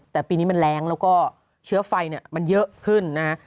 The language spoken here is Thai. แต่ปีนี้มันแรงแล้วก็เชื้อไฟเนี่ยมันเยอะขึ้นนะฮะ